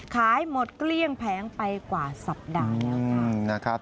ขายหมดเกลี้ยงแผงไปกว่าสัปดาห์แล้วค่ะ